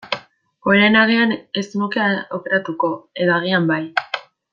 Orain agian ez nuke aukeratuko, edo agian bai.